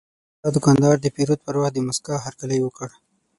دا دوکاندار د پیرود پر وخت د موسکا هرکلی وکړ.